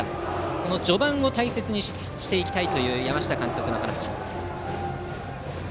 その序盤を大切にしたいという山下監督の話です。